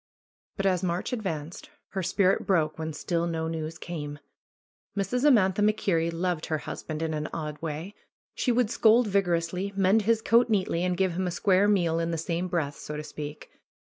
But as March advanced her spirit broke when still no news came. ANDY'S VISION 33 Mrs. Amantha MacKerrie loved her husband in an odd way. She would scold vigorously, mend his coat neatly and give him a square meal in the same breath, so to speak.